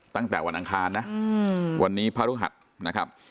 ตั้งแต่วันอังคารนะวันนี้พระฤหัสนะครับ